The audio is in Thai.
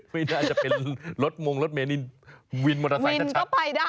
ไม่ได้จะเป็นรถมงรถเมนี่วินมอเตอร์ไซค์ชัดไปได้